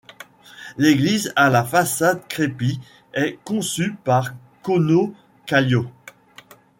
L'église à la façade crépie est conçue par Kauno Kallio.